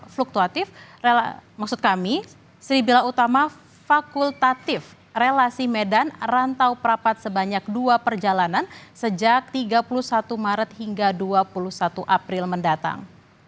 fluktuatif maksud kami sri bila utama fakultatif relasi medan rantau perapat sebanyak dua perjalanan sejak tiga puluh satu maret hingga dua puluh satu april mendatang